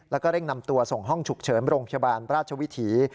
แล้วก็เร่งนำตัวส่งห้องฉุกเฉินโรงพยาบาลราชวิถี